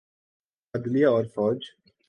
عدلیہ اورفوج۔